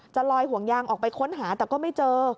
ลอยห่วงยางออกไปค้นหาแต่ก็ไม่เจอ